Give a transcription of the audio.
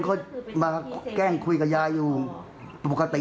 มันโคตรมาแก้งคุยกับยายอยู่ภูมิปกติ